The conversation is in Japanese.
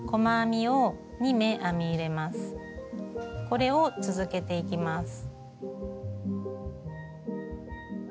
これを続けていきます。